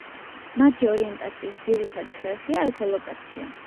მათი ორიენტაციის ძირითადი ხერხია ექოლოკაცია.